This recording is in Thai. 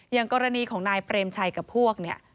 อย่างกรณีของนายเปรมชัยกับพวกเนี่ย